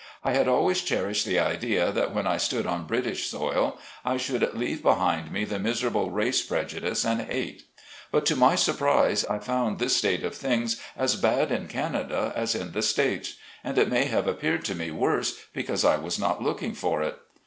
I had always cherished the idea that when I stood on British soil, I should leave behind me the miserable race prejudice and hate. But to my sur prise I found this state of things as bad in Canada, as in the States, and it may have appeared to me worse, because I was not looking for it.